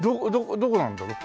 どこなんだろう？